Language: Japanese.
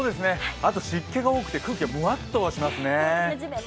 あと湿気が多くて、空気がもわっとしますね。